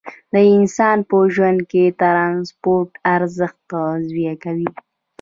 د انسانانو په ژوند کې د ترانسپورت ارزښت توضیح کړئ.